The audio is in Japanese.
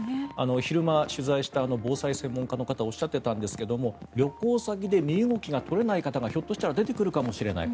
昼間、取材した防災専門家の方がおっしゃっていたんですが旅行先で身動きが取れない方がひょっとしたら出てくるかもしれない。